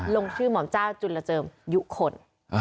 ลงชื่อหม่อมเจ้าจุลเจิมยุคล